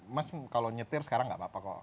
mas kalau nyetir sekarang nggak apa apa kok